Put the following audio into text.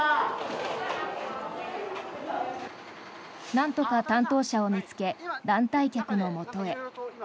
なんとか担当者を見つけ団体客のもとへ。